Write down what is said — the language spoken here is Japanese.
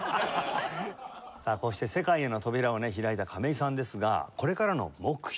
さあこうして世界への扉を開いた亀井さんですがこれからの目標